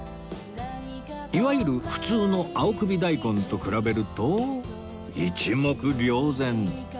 いわゆる普通の青首大根と比べると一目瞭然